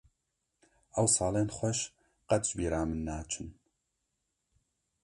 Ew salên xweş qet ji bîra min naçin.